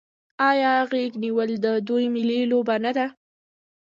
آیا غیږ نیول د دوی ملي لوبه نه ده؟